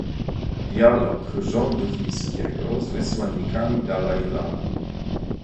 Dialog rządu chińskiego z wysłannikami Dalaj Lamy